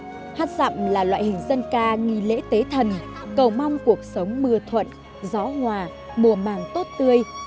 mặt khác hát rậm là loại hình dân ca nghi lễ tế thần cầu mong cuộc sống mưa thuận gió hòa mùa màng tốt tươi